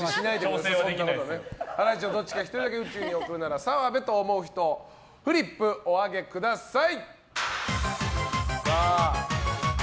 ハライチのどっちか一人だけ宇宙に送るなら澤部と思う人フリップお上げください！